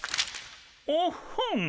おっほん！